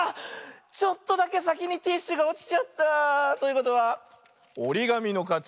ちょっとだけさきにティッシュがおちちゃった。ということはおりがみのかち。